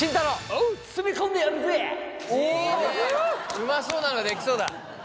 うまそうなのできそうだ！